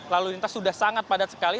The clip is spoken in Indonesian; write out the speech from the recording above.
lalu lintas sudah sangat padat sekali